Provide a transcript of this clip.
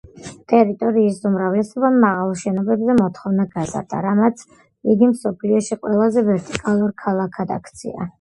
ტერიტორიის უკმარისობამ მაღალ შენობებზე მოთხოვნა გაზარდა, რამაც იგი მსოფლიოში ყველაზე ვერტიკალურ ქალაქად აქცია.